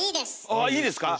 ああっいいですか？